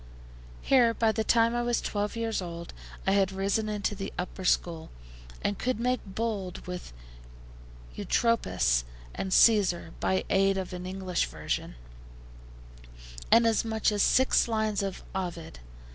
Here, by the time I was twelve years old, I had risen into the upper school, and could make bold with Eutropius and Caesar by aid of an English version and as much as six lines of Ovid.